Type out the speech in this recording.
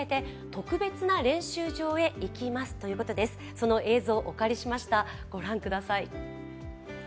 その映像をお借りしました、ご覧ください。